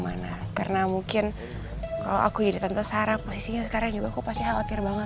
mana karena mungkin kalau aku jadi tante sarah posisinya sekarang juga aku pasti khawatir banget